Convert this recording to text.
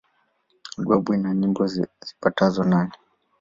Albamu ina nyimbo zipatazo nane.